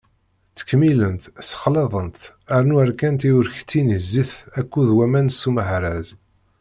Ttkemmilent, sexlaḍent, rnu εerkent i urekti-nni zzit akked waman s umehraz.